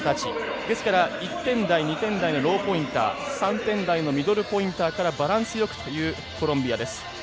ですから、１点台２点台のローポインター３点台のミドルポインターからバランスよくというコロンビアです。